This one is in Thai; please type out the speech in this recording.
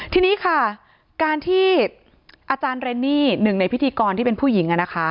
ทีนี้ค่ะการที่อาจารย์เรนนี่หนึ่งในพิธีกรที่เป็นผู้หญิง